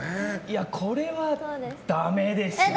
これはだめですね。